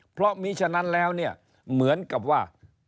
เพราะมีฉะนั้นแล้วเนี่ยเหมือนกับว่า